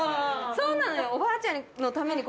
そうなの。